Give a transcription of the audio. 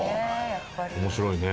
面白いね。